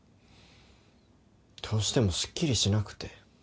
どうしてもすっきりしなくて。